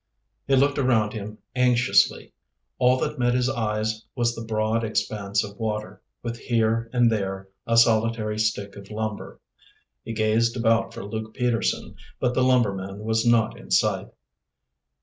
He looked around him anxiously. All that met his eyes was the broad expanse of water, with here and there a solitary stick of lumber. He gazed about for Luke Peterson, but the lumberman was not in sight.